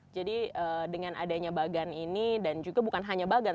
jadi dengan adanya bagan ini dan juga bukan hanya bagan